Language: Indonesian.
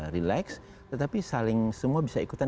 relax tetapi saling semua bisa ikutan